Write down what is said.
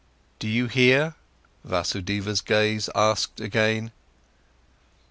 "Do you hear," Vasudeva's gaze asked again.